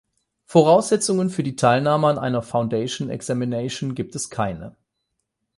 Voraussetzungen für die Teilnahme an einem Foundation Examination gibt es keine.